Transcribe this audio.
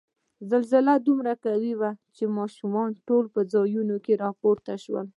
زلزله دومره قوي وه چې ماشومان ټول په ځایونو کې را پورته شول.